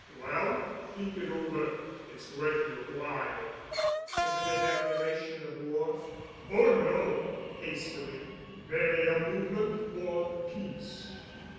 "Well, think it over. It's worth your while." "Is this a declaration of war?" "Oh, no," hastily, "merely a movement for peace."